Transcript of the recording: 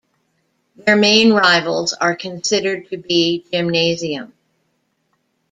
Their main rivals are considered to be Gymnasium.